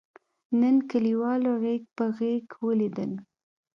نن کلیوالو غېږ په غېږ ولیدل.